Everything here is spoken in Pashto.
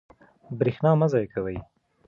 برښنا مه ضایع کوئ.